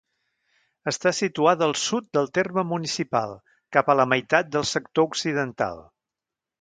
Està situada al sud del terme municipal, cap a la meitat del sector occidental.